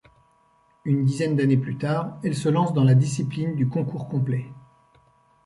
Une dizaine d’année plus tard, elle se lance dans la discipline du concours complet.